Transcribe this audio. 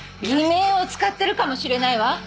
偽名を使ってるかもしれないわ！